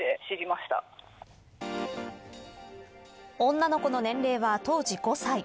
女の子の年齢は当時５歳。